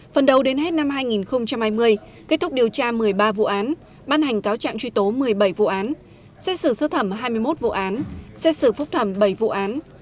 phần đầu đến hết năm hai nghìn hai mươi kết thúc điều tra một mươi ba vụ án ban hành cáo trạng truy tố một mươi bảy vụ án xét xử sơ thẩm hai mươi một vụ án xét xử phúc thẩm bảy vụ án